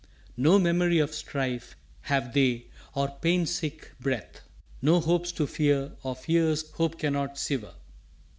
No memory of strife Have they, or pain sick breath. No hopes to fear or fears hope cannot sever.